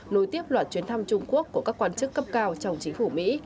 nối tiếp loạt chuyến thăm trung quốc của các quan chức cấp cao trong chính phủ mỹ